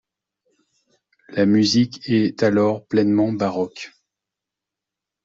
La musique est alors pleinement baroque.